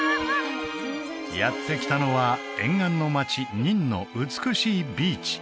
やって来たのは沿岸の町ニンの美しいビーチ